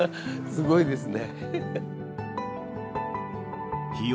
すごいですね。